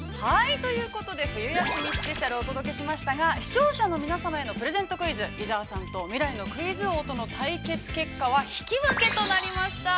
ということで、冬休みスペシャルをお届けしましたが、視聴者の皆様へのプレゼントクイズ、伊沢さんと未来のクイズ王との対決結果は引き分けとなりました。